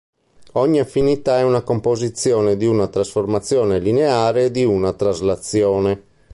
Ogni affinità è composizione di una trasformazione lineare e di una traslazione.